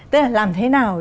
tức là làm thế nào